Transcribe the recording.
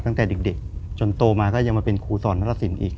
ตั้งแต่เด็กจนโตมาก็ยังมาเป็นครูสอนนรสินอีก